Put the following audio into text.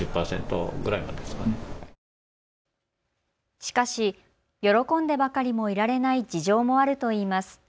しかし喜んでばかりもいられない事情もあるといいます。